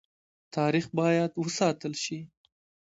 تاریخ باید وساتل شي